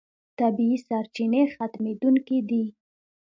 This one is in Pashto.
طبیعي سرچینې ختمېدونکې دي.